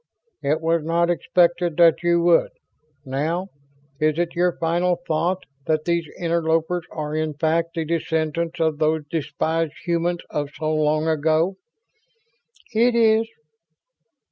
"It was not expected that you would. Now: is it your final thought that these interlopers are in fact the descendants of those despised humans of so long ago?" "It is."